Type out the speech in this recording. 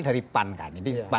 dari pan kan